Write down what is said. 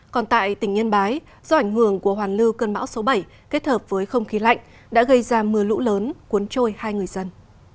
còn tại tỉnh yên bái do ảnh hưởng của hoàn lưu cơn bão số bảy kết hợp với không khí lạnh đã gây ra mưa lũ lớn cuốn trôi hai người dân